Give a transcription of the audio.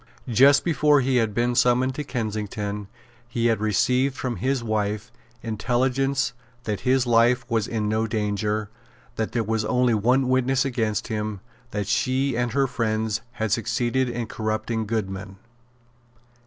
Just before he had been summoned to Kensington, he had received from his wife intelligence that his life was in no danger, that there was only one witness against him, that she and her friends had succeeded in corrupting Goodman.